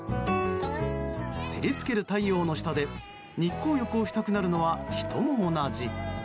照り付ける太陽の下で日光浴をしたくなるのはヒトも同じ。